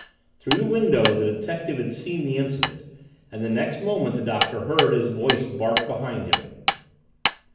Through the window the detective had seen the incident, and the next moment the Doctor heard his voice bark behind him.